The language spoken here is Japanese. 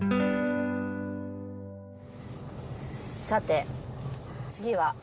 さて次は。